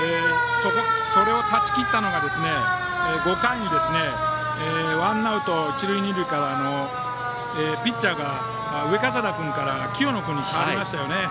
それを断ち切ったのが５回にワンアウト一塁二塁からのピッチャーが上加世田君から清野君に代わりましたよね。